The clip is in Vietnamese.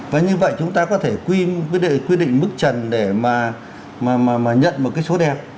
và như vậy chúng ta có thể quy định mức trần để mà nhận một cái số đẹp